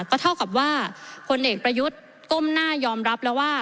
ก็เท่ากับว่าพลเอกประยุทธ์ก้มหน้ายอมรับแล้วว่า